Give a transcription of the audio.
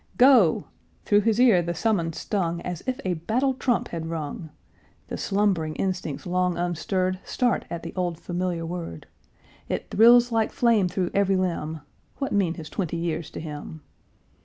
"Go!" Through his ear the summons stung As if a battle trump had rung; The slumbering instincts long unstirred Start at the old familiar word; It thrills like flame through every limb What mean his twenty years to him?